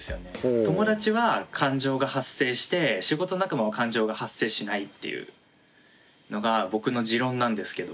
友達は感情が発生して仕事仲間は感情が発生しないっていうのが僕の持論なんですけど。